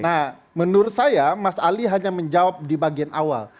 nah menurut saya mas ali hanya menjawab di bagian awal